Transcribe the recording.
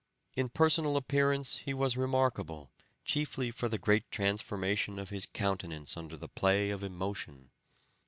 In personal appearance he was remarkable, chiefly for the great transformation of his countenance under the play of emotion.